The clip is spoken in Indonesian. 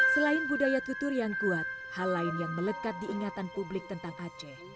selain budaya tutur yang kuat hal lain yang melekat diingatan publik tentang aceh